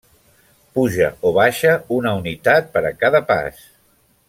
Puja o baixa una unitat per a cada pas.